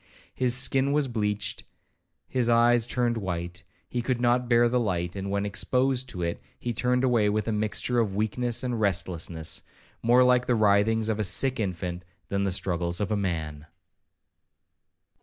—'His skin was bleached, his eyes turned white; he could not bear the light; and, when exposed to it, he turned away with a mixture of weakness and restlessness, more like the writhings of a sick infant than the struggles of a man.'